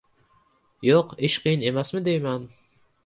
— Yo‘q, ish qiyin emasmi deyman?